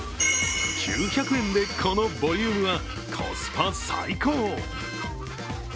９００円で、このボリュームはコスパ最高。